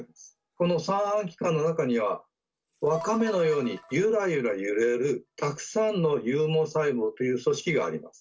この三半規管の中にはワカメのようにゆらゆら揺れるたくさんの有毛細胞という組織があります。